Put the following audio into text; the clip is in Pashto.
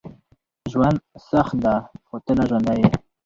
ژوند سخت ده، خو ته لا ژوندی یې.